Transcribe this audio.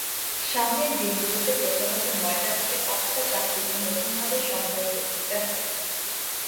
সামনের দিনগুলোতে প্রথাগত নয়টা থেকে পাঁচটা চাকরিকে নতুনভাবে সংজ্ঞায়িত করতে হবে।